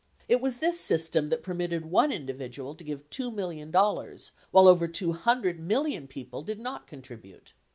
It was this system that per mitted one individual to give $2 million while over 200 million people did not contribute.